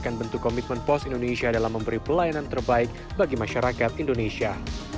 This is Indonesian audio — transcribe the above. dan bentuk komitmen pos indonesia dalam memberi pelayanan terbaik bagi masyarakat indonesia